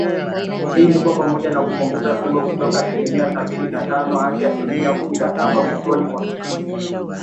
Hii ilikuwa pamoja na kupunguza pengo kutoka asilimia sabini na tano hadi asilimia kumi na saba mwishoni mwa kipindi hicho